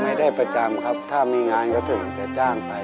ได้ประจำครับถ้ามีงานก็ถึงจะจ้างไป